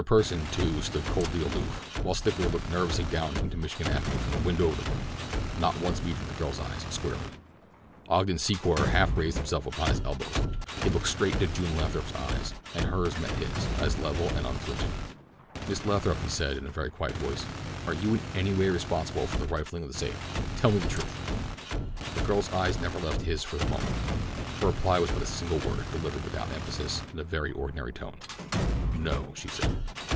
Pursen, too, stood coldly aloof, while Stickler looked nervously down into Michigan Avenue from the window of the room, not once meeting the girl's eyes squarely. Ogden Secor half raised himself upon his elbow. He looked straight into June Lathrop's eyes, and hers met his, as level and unflinching. "Miss Lathrop," he said, in a very quiet voice, "are you in any way responsible for the rifling of the safe—tell me the truth." The girl's eyes never left his for a moment. Her reply was but a single word, delivered without emphasis, in a very ordinary tone. "No," she said.